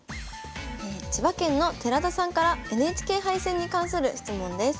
千葉県の寺田さんからＮＨＫ杯戦に関する質問です。